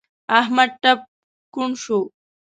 احمد ټپ کوڼ شو.